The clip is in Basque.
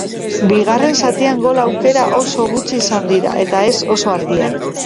Bigarren zatian gol aukera oso gutxi izan dira, eta ez oso argiak.